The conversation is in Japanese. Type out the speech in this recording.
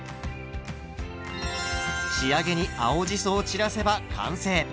仕上げに青じそを散らせば完成。